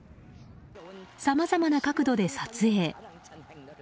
さまざまな角度で撮影。